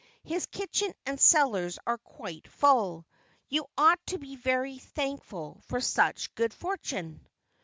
His kitchen and cellars are quite full. You ought to be very thankful for such good fortune."